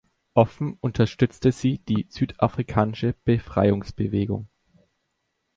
Offen unterstützte sie die südafrikanische Befreiungsbewegung.